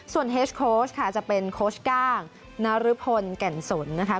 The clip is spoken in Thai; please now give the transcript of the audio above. ส่วนเฮสโค้ชค่ะจะเป็นโค้ชก้างนรพลแก่นสนนะคะ